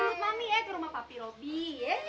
ikut mami eh ke rumah papi robi eh